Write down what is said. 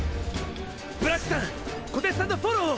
ブラックさん虎徹さんのフォローを！